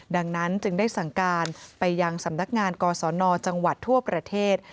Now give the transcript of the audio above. ดังนั้นจึงได้สั่งการไปยังสำนักงานกศนจังหวัดทั่วประเทศ